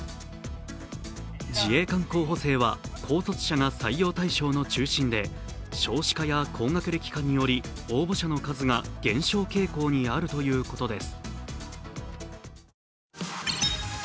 自衛官候補生は高卒者が採用対象の中心で少子化や高学歴化により応募者の数が減少傾向にあるということです。